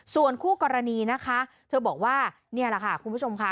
ส่วนคู่กรณีนะคะเธอบอกว่านี่แหละค่ะคุณผู้ชมค่ะ